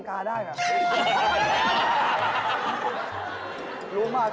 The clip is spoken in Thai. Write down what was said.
ครับ